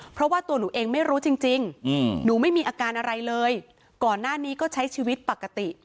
เพราะว่าตัวหนูเองไม่รู้จริงหนูไม่มีอาการอะไรเลยก่อนหน้านี้ก็ใช้ชีวิตปกติ